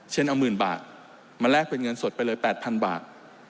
เอาหมื่นบาทมาแลกเป็นเงินสดไปเลย๘๐๐๐บาท